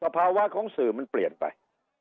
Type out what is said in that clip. ภาวะของสื่อมันเปลี่ยนไป